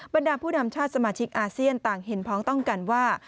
บรรดาผู้นำชาติสมาชิกอาเซียนต่างเห็นพ้องต้องกันว่า